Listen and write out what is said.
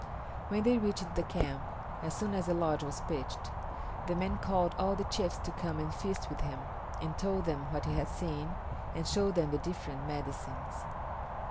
When they reached the camp, as soon as the lodge was pitched, the man called all the chiefs to come and feast with him, and told them what he had seen, and showed them the different medicines.